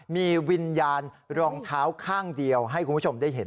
มีวิญญาณรองเท้าข้างเดียวให้คุณผู้ชมได้เห็น